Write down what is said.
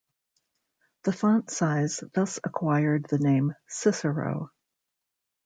The font size thus acquired the name "cicero".